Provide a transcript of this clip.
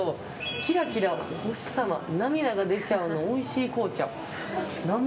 キラキラお星様涙が出ちゃうのおいしい紅茶。